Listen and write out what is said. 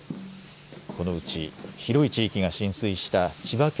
このうち広い地域が浸水した千葉県